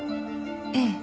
ええ。